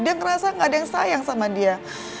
dia ngerasa gak ada yang sayang sama dia